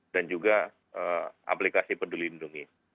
dan juga aplikasi peduli lindungi